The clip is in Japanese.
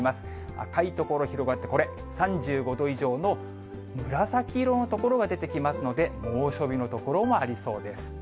赤い所広がって、これ、３５度以上の紫色の所が出てきますので、猛暑日の所もありそうです。